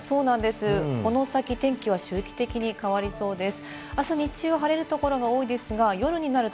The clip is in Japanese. この先、天気は周期的に変わりそうです。